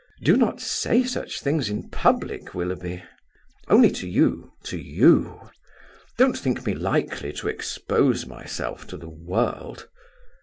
"Do not say such things in public, Willoughby." "Only to you, to you! Don't think me likely to expose myself to the world.